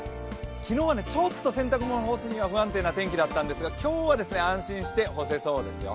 昨日はちょっと洗濯物を干すには不安定な天気だったんですが、今日は安心して干せそうですよ。